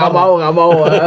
gak mau gak mau